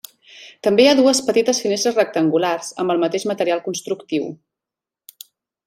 També hi ha dues petites finestres rectangulars, amb el mateix material constructiu.